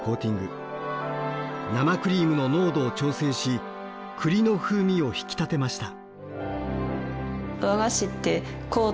生クリームの濃度を調整し栗の風味を引き立てました。